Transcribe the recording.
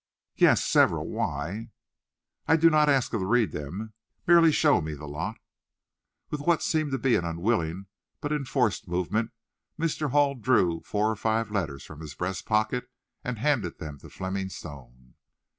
"Yes; several. Why?" "I do not ask to read them. Merely show me the lot." With what seemed to be an unwilling but enforced movement, Mr. Hall drew four or five letters from his breast pocket and handed them to Fleming Stone.